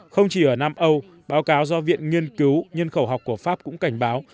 không chỉ ở nam âu báo cáo do viện nghiên cứu nhân khẩu học của pháp cũng cảnh báo